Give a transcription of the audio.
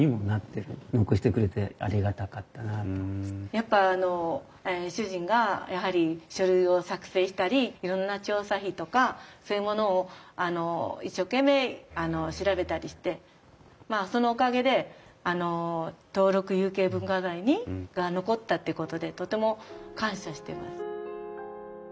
やっぱ主人がやはり書類を作成したりいろんな調査費とかそういうものを一生懸命調べたりしてまあそのおかげであの登録有形文化財に残ったっていうことでとても感謝してます。